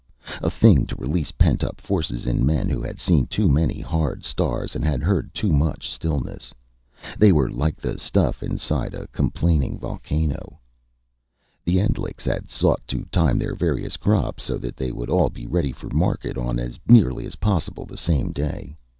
A thing to release pent up forces in men who had seen too many hard stars, and had heard too much stillness. They were like the stuff inside a complaining volcano. The Endlichs had sought to time their various crops, so that they would all be ready for market on as nearly as possible the same day.